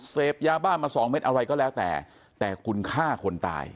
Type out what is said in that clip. เสพยาบ้ามาสองเม็ดอะไรก็แล้วแต่แต่คุณฆ่าคนตาย